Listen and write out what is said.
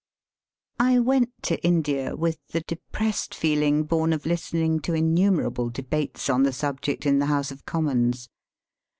I WENT to India with the 'depressed feeling born of listening to innumerable debates on the subject in the House of Commons.